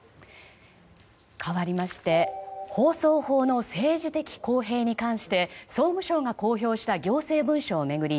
かわりまして放送法の政治的公平に関して総務省が公表した行政文書を巡り